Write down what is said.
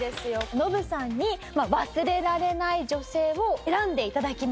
ノブさんに忘れられない女性を選んで頂きました。